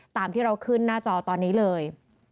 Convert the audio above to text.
ตามที่เราขึ้นหน้าจอตอนนี้เลย